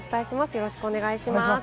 よろしくお願いします。